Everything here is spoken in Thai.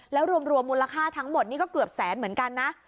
แล้วรวมมูลค่าทั้งหมดนี่ก็เกือบแสนเหมือนกันนะ